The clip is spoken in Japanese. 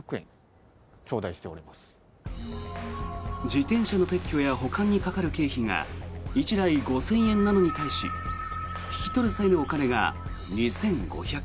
自転車の撤去や保管にかかる経費が１台５０００円なのに対し引き取る際のお金が２５００円。